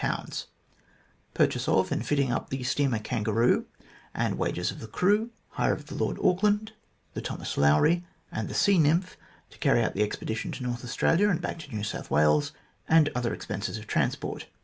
900 Purchase of and fitting up the steamer Kangaroo and wages of the crew ; hire of the Lord Auckland, the Thomas Lowry, and the Sea Nymph, to carry out the Expedition to North Australia and back to New South Wales, and other expenses of transport